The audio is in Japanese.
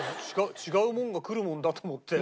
違うものがくるもんだと思って。